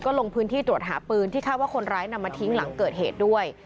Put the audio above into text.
ลงพื้นที่ตรวจหาปืนที่คาดว่าคนร้ายนำมาทิ้งหลังเกิดเหตุด้วย